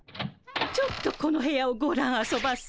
ちょっとこの部屋をごらんあそばせ！